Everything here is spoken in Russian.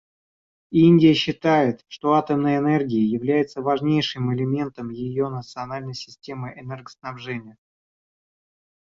Индия считает, что атомная энергия является важнейшим элементом ее национальной системы энергоснабжения.